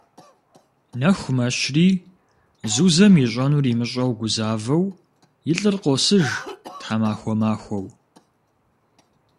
Нэху мэщри, Зузэм ищӏэнур имыщӏэу гузавэу, и лӏыр къосыж тхьэмахуэ махуэу.